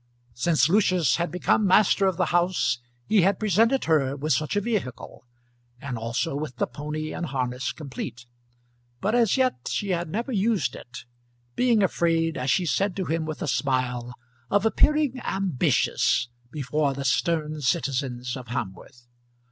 Since Lucius had become master of the house he had presented her with such a vehicle, and also with the pony and harness complete; but as yet she had never used it, being afraid, as she said to him with a smile, of appearing ambitious before the stern citizens of Hamworth.